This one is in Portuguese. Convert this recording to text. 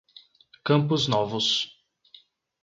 Campos Novos